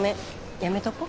やめとこう。